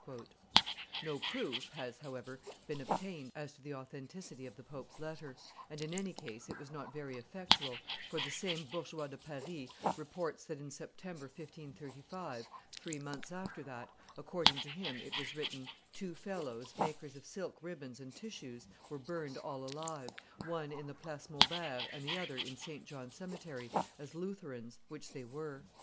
No proof has, however, been obtained as to the authenticity of the pope's letter, and in any case it was not very effectual, for the same Bourgeois de Paris reports, that in September, 1535, three months after that, according to him, it was written: Two fellows, makers of silk ribbons and tissues, were burned all alive, one in the Place Maubert and the other in St. John's cemetery, as Lutherans, which they were.